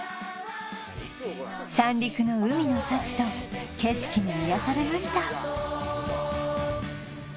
三陸の海の幸と景色に癒やされました